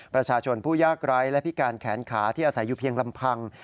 ประชาชนผู้ยากไร้และพิการแขนขาที่อาศัยอยู่เพียงลำพัง